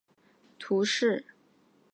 普罗旺斯地区特朗人口变化图示